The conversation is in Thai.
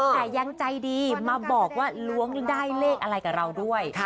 แต่ยังใจดีมาบอกว่าล้วงได้เลขอะไรกับเราด้วย